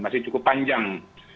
masih cukup panjang